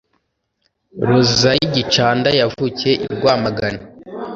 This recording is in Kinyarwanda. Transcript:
Rosalie Gicanda yavukiye I Rwamagana